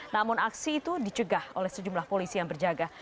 namun aksi itu dicegah oleh sejumlah polisi yang berjaga